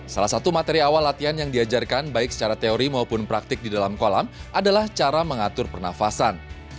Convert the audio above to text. salah satu materi awal latihan yang diajarkan baik secara teori maupun praktik di dalam kolam adalah cara mengatur pernafasan